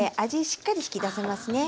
しっかり引き出せますね。